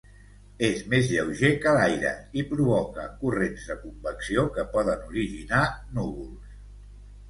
És més lleuger que l'aire i provoca corrents de convecció que poden originar núvols.